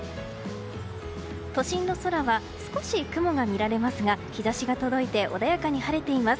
都心の空は少し雲が見られますが日差しが届いて穏やかに晴れています。